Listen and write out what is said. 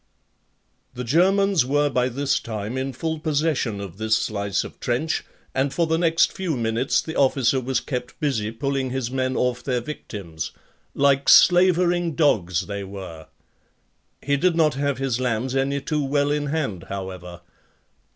The Germans were by this time in full possession of this slice of trench, and for the next few minutes the officer was kept busy pulling his men off their victims. Like slavering dogs they were. He did not have his lambs any too well in hand, however.